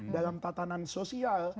dalam tatanan sosial